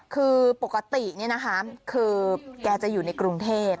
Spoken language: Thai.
คือปกติคือแกจะอยู่ในกรุงเทพ